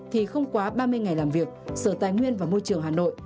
thì không quá ba mươi ngày làm việc sở tài nguyên và môi trường hà nội